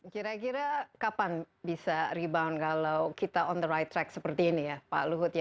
kira kira kapan bisa rebound kalau kita on the right track seperti ini ya pak luhut ya